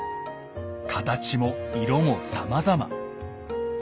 形も色もさまざま。